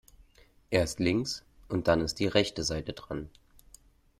Erst links und dann ist die rechte Seite dran.